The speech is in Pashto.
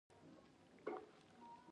تنديه ماتوم دي، لګومه خو دې نه.